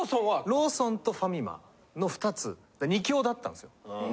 ローソンとファミマの２つ二強だったんですよ。